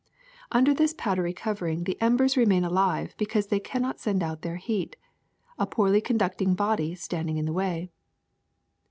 Under this powdery covering the embers remain alive because they cannot send out their heat, a poorly conducting body standing in the way.